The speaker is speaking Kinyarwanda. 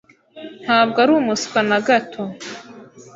Ntabwo ari umuswa na gato.